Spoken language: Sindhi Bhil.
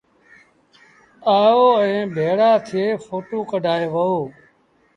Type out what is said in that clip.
آئو ائيٚݩ ڀيڙآ ٿئي ڦوٽو ڪڍآئي وهو۔